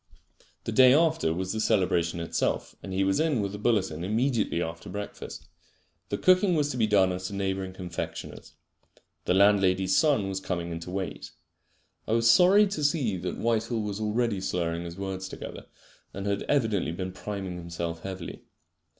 The day after was the celebration itself, and he was in with a bulletin immediately after breakfast. The cooking was to be done at a neighbouring confectioner's. The landlady's son was coming in to wait. I was sorry to see that Whitehall was already slurring his words together, and had evidently been priming himself heavily.